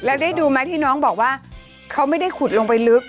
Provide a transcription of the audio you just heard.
แล้วได้ดูไหมที่น้องบอกว่าเขาไม่ได้ขุดลงไปลึก